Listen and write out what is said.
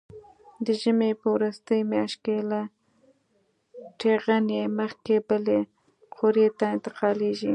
د ژمي په وروستۍ میاشت کې له ټېغنې مخکې بلې قوریې ته انتقالېږي.